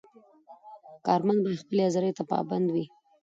کارمند باید خپلې حاضرۍ ته پابند وي.